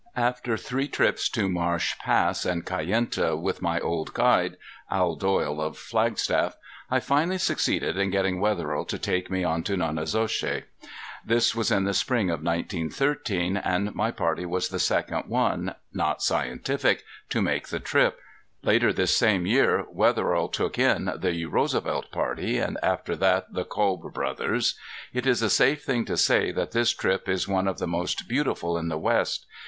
After three trips to Marsh Pass and Kayenta with my old guide, Al Doyle of Flagstaff, I finally succeeded in getting Wetherill to take me in to Nonnezoshe. This was in the spring of 1913 and my party was the second one, not scientific, to make the trip. Later this same year Wetherill took in the Roosevelt party and after that the Kolb brothers. It is a safe thing to say that this trip is one of the most beautiful in the West.